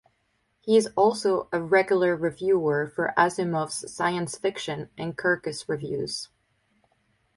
He is also a regular reviewer for Asimov's Science Fiction and Kirkus Reviews.